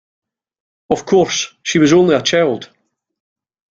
Of course, she was only a child.